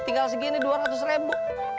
tinggal segini dua ratus ribu